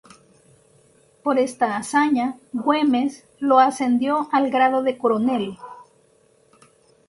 Por esta hazaña, Güemes lo ascendió al grado de coronel.